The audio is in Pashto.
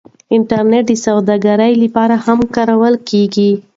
انټرنیټ د سوداګرۍ لپاره هم کارول کیږي.